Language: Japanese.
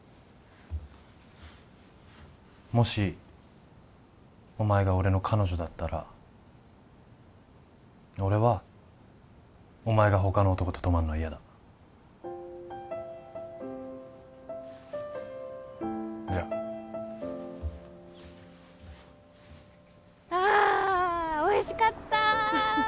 もしお前が俺の彼女だったら俺はお前が他の男と泊まんのは嫌だじゃあおいしかった